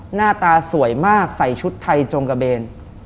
หน้าตาสวยมากใส่ชุดไทยจงกระเบน